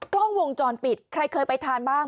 กล้องวงจรปิดใครเคยไปทานบ้าง